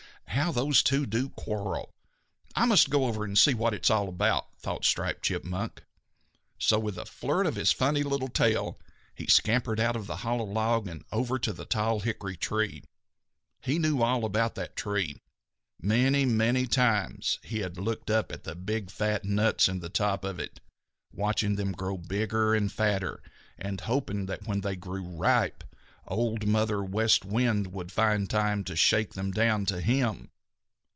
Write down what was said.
How those two do quarrel! I must go over and see what it is all about," thought Striped Chipmunk. So, with a flirt of his funny, little tail, he scampered out of the hollow log and over to the tall hickory tree. He knew all about that tree. Many, many times he had looked up at the big fat nuts in the top of it, watching them grow bigger and fatter, and hoping that when they grew ripe, Old Mother West Wind would find time to shake them down to him.